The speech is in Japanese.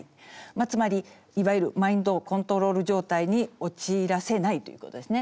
つまりいわゆるマインドコントロール状態に陥らせないということですね。